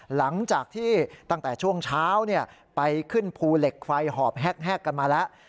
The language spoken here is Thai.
หลังจากที่ตั้งแต่ช่วงเช้าไปขึ้นภูเหล็กไฟหอบแฮกกันมาแล้ว